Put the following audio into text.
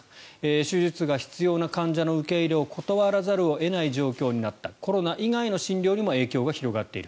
手術が必要な患者の受け入れを断らざるを得ない状況になったコロナ以外の診療にも影響が広がっている。